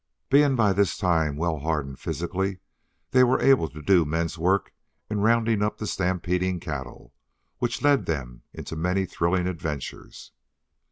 Being by this time well hardened physically, they were able to do men's work in rounding up the stampeding cattle, which led them into many thrilling adventures.